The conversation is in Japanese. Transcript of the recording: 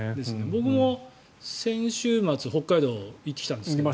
僕も先週末、北海道に行ってきたんですけど。